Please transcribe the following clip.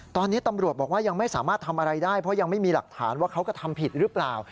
ตอนนี้ตำรวจบอกว่ายังไม่สามารถทำอะไรได้เพราะยังไม่มีหลักฐานว่าเขาก็ทำผิดหรือเปล่า